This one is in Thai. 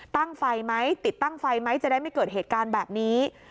ตั้งไฟไหมติดตั้งไฟไหมจะได้ไม่เกิดเหตุการณ์แบบนี้